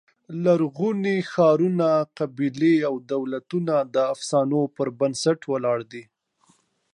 لرغوني ښارونه، قبیلې او دولتونه د افسانو پر بنسټ ولاړ دي.